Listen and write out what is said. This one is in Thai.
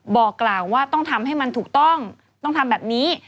บอกกล่าวว่าต้องทำให้มันถูกต้องต้องทำแบบนี้